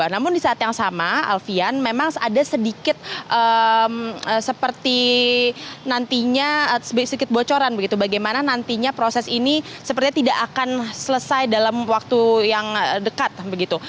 namun di saat yang sama alfian memang ada sedikit seperti nantinya sedikit bocoran begitu bagaimana nantinya proses ini sepertinya tidak akan selesai dalam waktu yang dekat begitu